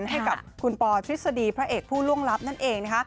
ให้กับคุณปอทฤษฎีพระเอกผู้ล่วงลับนั่นเอง